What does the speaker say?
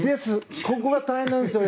ここが大変なんですよ